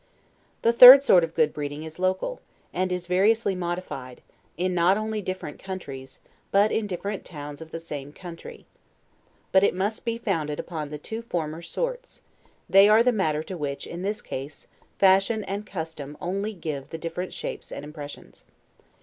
The third sort of good breeding is local, and is variously modified, in not only different countries, but in different towns of the same country. But it must be founded upon the two former sorts; they are the matter to which, in this case, fashion and custom only give the different shapes and impressions.